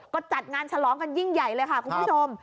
ก็จัดงานฉลองกันยิ่งใหญ่เลยค่ะคุณผู้ชม